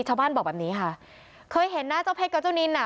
ชาวบ้านบอกแบบนี้ค่ะเคยเห็นหน้าเจ้าเพชรกับเจ้านินอ่ะ